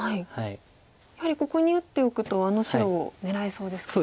やはりここに打っておくとあの白を狙えそうですか。